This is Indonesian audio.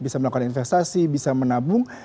bisa melakukan investasi bisa menabung